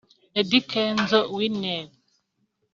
Eddy Kenzo (Winner)